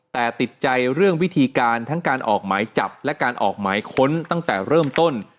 แต่ติดใจเรื่องวิธีการทั้งการออกหมายจับและการออกหมายค้นตั้งแต่เริ่มต้น